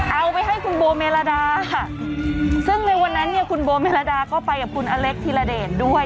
เอาไปให้คุณโบเมลาดาซึ่งในวันนั้นเนี่ยคุณโบเมลดาก็ไปกับคุณอเล็กธิระเดชด้วย